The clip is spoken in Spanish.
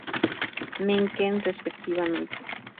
Mencken, respectivamente.